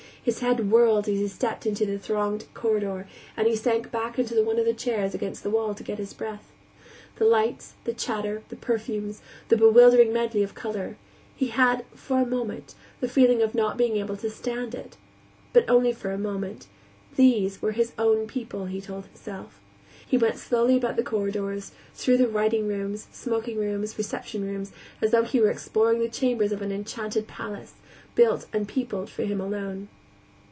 His head whirled as he stepped into the thronged corridor, and he sank back into one of the chairs against the wall to get his breath. The lights, the chatter, the perfumes, the bewildering medley of color he had, for a moment, the feeling of not being able to stand it. But only for a moment; these were his own people, he told himself. He went slowly about the corridors, through the writing rooms, smoking rooms, reception rooms, as though he were exploring the chambers of an enchanted palace, built and peopled for him alone.